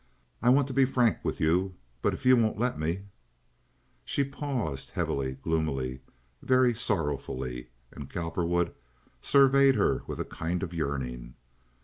I want to be frank with you, but if you won't let me—" She paused heavily, gloomily, very sorrowfully, and Cowperwood surveyed her with a kind of yearning.